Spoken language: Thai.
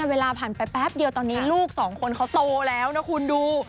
เวลาผ่านไปแป๊บเดียวตอนนี้ลูกสองคนเขาโตแล้วนะคุณดู